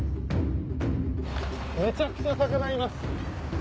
めちゃくちゃ魚います。